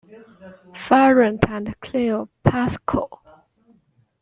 Farrant and Cleo Paskal.